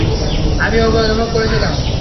আমি ওকে অনুভব করেছিলাম।